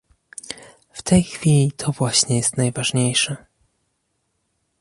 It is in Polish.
W tej chwili to właśnie jest najważniejsze